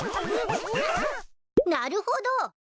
なるほど。